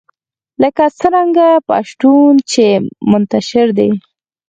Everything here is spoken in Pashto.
لکه څرنګه پښتون چې منتشر دی